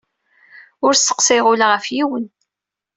Ur sseqsayeɣ ula ɣef yiwen.